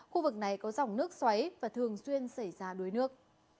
khu vực này có dòng nước xoáy và thường xuyên xảy ra đuối nước